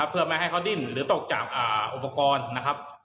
เพื่อไม่ให้เขาดิ้นหรือตกจากอุปกรณ์นะครับ